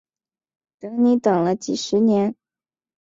等你等了几十年